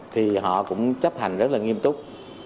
thì họ cũng chấp hành rất là nghiêm túc